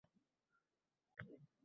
Vaalayho, yasanib olibsizmi